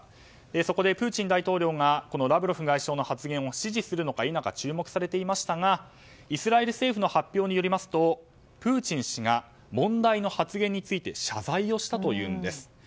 そこでプーチン大統領がラブロフ外相の発言を支持するのか否か注目されていましたがイスラエル政府の発表によりますとプーチン氏が問題の発言について謝罪をしたというんです。